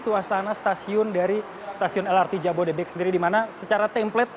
suasana stasiun dari stasiun lrt jabodebek sendiri di mana secara template